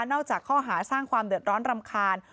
จากข้อหาสร้างความเดือดร้อนรำคาญ